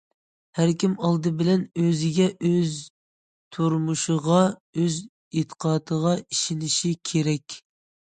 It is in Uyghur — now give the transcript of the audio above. ھەركىم ئالدى بىلەن ئۆزىگە، ئۆز تۇرمۇشىغا، ئۆز ئېتىقادىغا ئىشىنىشى كېرەك.